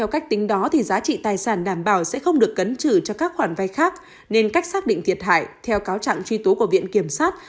cho các khoản vay khác nên cách xác định thiệt hại theo cáo trạng tri tố của viện kiểm sát